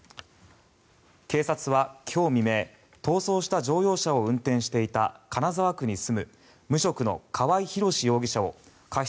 警察は今日未明逃走した乗用車を運転していた金沢区に住む無職の川合廣司容疑者を過失